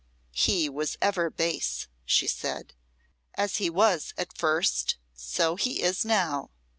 "He was ever base," she said "as he was at first, so he is now.